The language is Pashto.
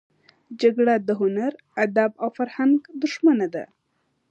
جګړه د هنر، ادب او فرهنګ دښمنه ده